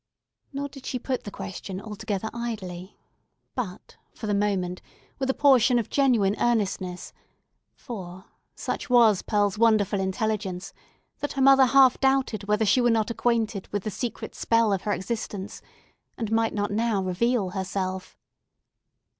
Nor did she put the question altogether idly, but, for the moment, with a portion of genuine earnestness; for, such was Pearl's wonderful intelligence, that her mother half doubted whether she were not acquainted with the secret spell of her existence, and might not now reveal herself.